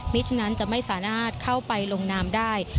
มิจฉนั้นจะไม่สามารถเข้าไปลงน้ำได้